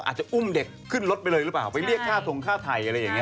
อาจจะอุ้มเด็กขึ้นรถไปเลยหรือเปล่าไปเรียกค่าทงค่าไทยอะไรอย่างนี้